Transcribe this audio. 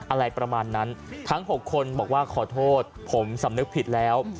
อะไรประมาณนั้นทั้ง๖คนบอกว่าขอโทษผมสำนึกผิดแล้ว